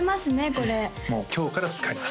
これもう今日から使います